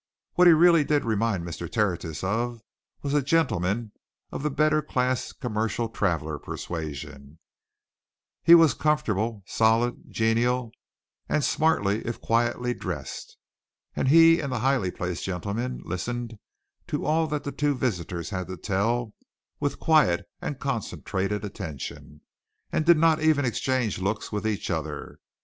What he really did remind Mr. Tertius of was a gentleman of the better class commercial traveller persuasion he was comfortable, solid, genial, and smartly if quietly dressed. And he and the highly placed gentleman listened to all that the two visitors had to tell with quiet and concentrated attention and did not even exchange looks with each other.